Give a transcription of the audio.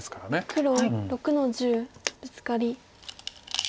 黒６の十ブツカリ。